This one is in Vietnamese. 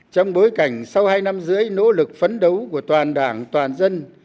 trong bối cảnh sau hai năm rưỡi nỗ lực phấn đấu của toàn đảng toàn dân